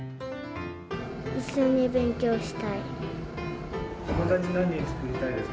一緒に勉強したい。